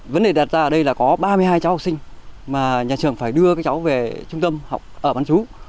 vấn đề đặt ra ở đây là có ba mươi hai cháu học sinh mà nhà trường phải đưa các cháu về trung tâm học ở văn chú